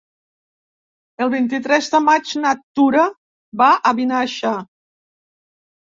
El vint-i-tres de maig na Tura va a Vinaixa.